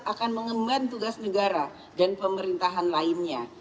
akan mengemban tugas negara dan pemerintahan lainnya